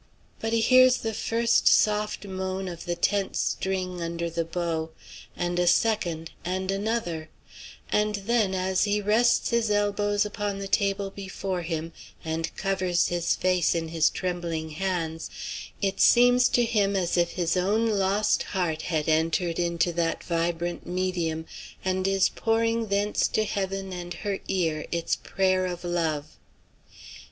But he hears the first soft moan of the tense string under the bow, and a second, and another; and then, as he rests his elbows upon the table before him, and covers his face in his trembling hands, it seems to him as if his own lost heart had entered into that vibrant medium, and is pouring thence to heaven and her ear its prayer of love.